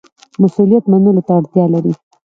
مسوولیت منلو ته اړتیا لري